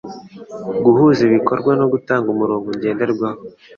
guhuza ibikorwa no gutanga umurongo ngenderwaho